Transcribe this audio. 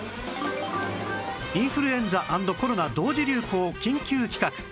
インフルエンザ＆コロナ同時流行緊急企画